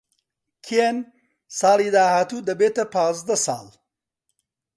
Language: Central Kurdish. کێن ساڵی داهاتوو دەبێتە پازدە ساڵ.